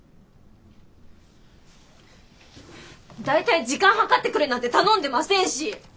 大体時間計ってくれなんて頼んでませんし。